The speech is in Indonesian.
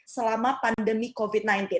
selama pandemi covid sembilan belas